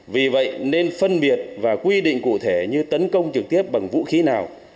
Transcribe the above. vì vậy nên phân biệt và quy định cụ thể như tấn công trực tiếp bằng vũ khí nào